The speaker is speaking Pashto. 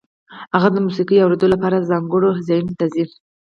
هغه د موسیقۍ اورېدو لپاره ځانګړو ځایونو ته ځي